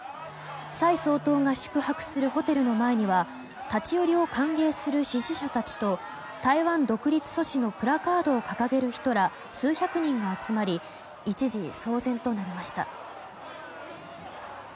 蔡総統が宿泊するホテルの前には立ち寄りを歓迎する支持者たちと台湾独立阻止のプラカードを掲げる人ら、数百人が集まり一時、騒然となりました。